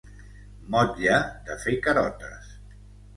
Motlle de fer carotes.